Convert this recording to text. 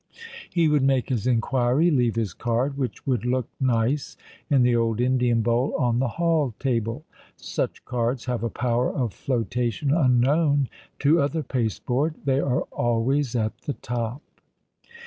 He would make his inquiry, leave his card, which would look nice in the old Indian bowl on the hall table. Such cards have a power of flotation unknown to other pasteboard ; they are always at the top.